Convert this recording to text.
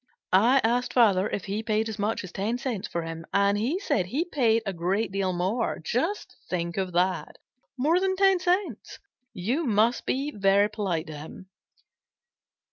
I asked Father if he paid as much as ten cents for him, and he said he paid a great deal more. Just think of that! More than ten cents! You must be very polite to him."